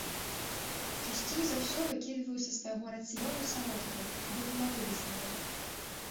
Часцей за ўсё выкідваю са свайго рацыёну салодкае, бо не магу без яго.